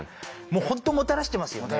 もう本当もたらしてますよね。